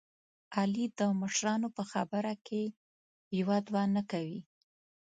علي د مشرانو په خبره کې یوه دوه نه کوي.